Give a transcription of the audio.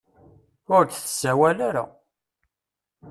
Ur d-tsawala ara.